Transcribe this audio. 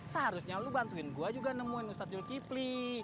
seharusnya lu bantuin gua juga nemuin ustadz yul kifli